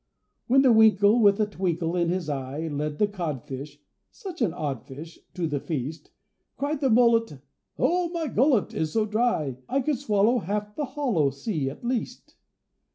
When the Winkle, with a twinkle in his eye, Led the Cod fish (such an odd fish!) to the feast, Cried the Mullet, "Oh! my gullet is so dry, I could swallow half the hollow sea at least."